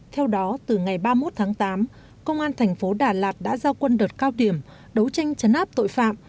theo đó từ ngày ba mươi một tháng tám công an thành phố đà lạt đã giao quân đợt cao điểm đấu tranh chấn áp tội phạm